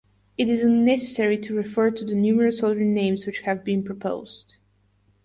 It is unnecessary to refer to the numerous other names which have been proposed.